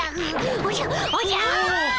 おじゃおじゃ！